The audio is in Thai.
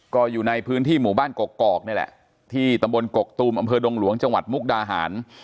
ก็อยู่ในพื้นที่หมู่บ้านกกอกนี่แหละที่ตำบลกกตูมอำเภอดงหลวงจังหวัดมุกดาหาร